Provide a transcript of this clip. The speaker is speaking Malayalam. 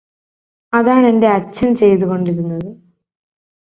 അതാണെന്റെ അച്ഛന് ചെയ്തു കൊണ്ടിരുന്നത്